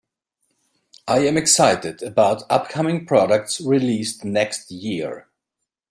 I am excited about upcoming products released next year.